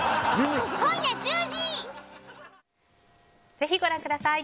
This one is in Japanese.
ぜひ、ご覧ください。